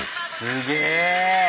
すげえ！